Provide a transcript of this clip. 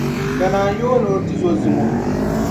Danaa n-yooni o tuzo zuŋo.